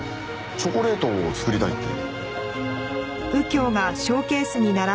チョコレートを作りたいって。